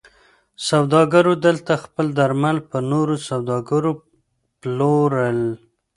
سوداګرو دلته خپل درمل پر نورو سوداګرو پلورل.